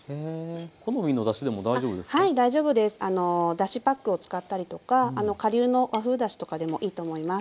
だしパックを使ったりとか顆粒の和風だしとかでもいいと思います。